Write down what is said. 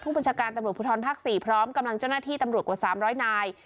บัญชาการตำรวจภูทรภาค๔พร้อมกำลังเจ้าหน้าที่ตำรวจกว่า๓๐๐นาย